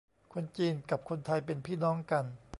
คนจีนกับคนไทยเป็นพี่น้องกัน